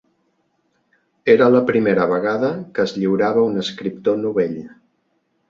Era la primera vegada que es lliurava a un escriptor novell.